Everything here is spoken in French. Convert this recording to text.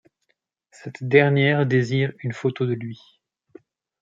Cette dernière désire une photo de lui.